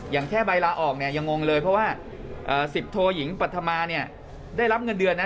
แค่ใบลาออกเนี่ยยังงงเลยเพราะว่า๑๐โทยิงปัธมาเนี่ยได้รับเงินเดือนนะ